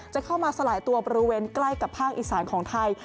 จะเข้ามาสลายตัวบริเวณใกล้กับภาคอีสานของไทย